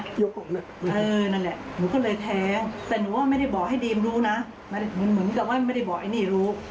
เกี่ยวกับนั่นแหละหนูก็เลยแท้งแต่หนูว่าไม่ได้บอกให้ดีมรู้นะเหมือนกับว่าไม่ได้บอกไอ้นี่รู้